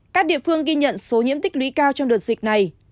các địa phương ghi nhận số nhiễm tích lũy cao trong đợt dịch này